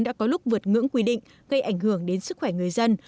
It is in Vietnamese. đã có lúc vượt ngưỡng quy định gây ảnh hưởng đến sức khỏe người dân